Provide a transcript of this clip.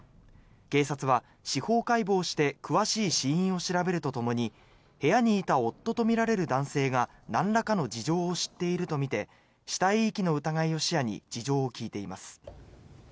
警察は司法解剖して詳しい死因を調べるとともに部屋にいた夫とみられる男性がなんらかの事情を知っているとみて死体遺棄の疑いを視野に事情を聴いています。